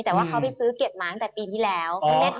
แต่ว่าเขาไปซื้อเก็บมาตั้งแต่ปีที่แล้ว